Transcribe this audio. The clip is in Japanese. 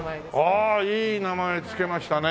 ああいい名前付けましたね。